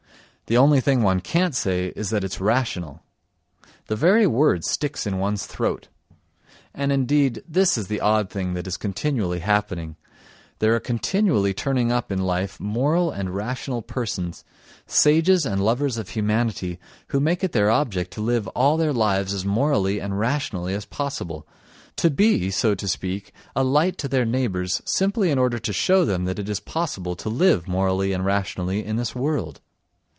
The only thing one can't say is that it's rational. The very word sticks in one's throat. And, indeed, this is the odd thing that is continually happening: there are continually turning up in life moral and rational persons, sages and lovers of humanity who make it their object to live all their lives as morally and rationally as possible, to be, so to speak, a light to their neighbours simply in order to show them that it is possible to live morally and rationally in this world.